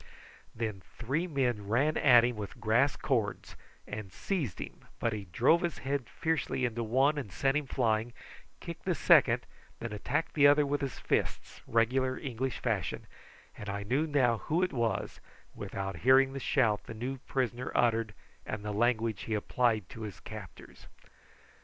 Then three men ran at him with grass cords and seized him, but he drove his head fiercely into one and sent him flying, kicked the second, and then attacked the other with his fists, regular English fashion, and I knew now who it was, without hearing the shout the new prisoner uttered and the language he applied to his captors.